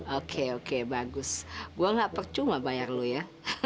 oke oke bagus gue gak percuma bayar lu ya